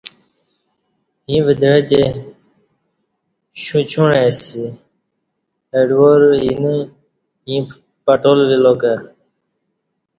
ایں ودعہ تی شوں چوعں ائںسی اڈوار اِینہ ایں پٹال وِیلا کہ